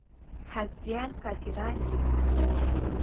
حزبيان کافران دي.